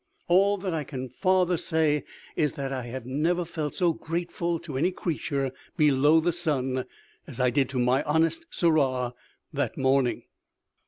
All that I can farther say is, that I never felt so grateful to any creature below the sun, as I did to my honest Sirrah that morning."